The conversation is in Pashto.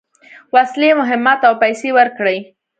وسلې، مهمات او پیسې ورکړې.